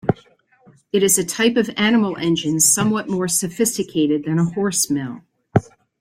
It is a type of animal engine somewhat more sophisticated than a horse mill.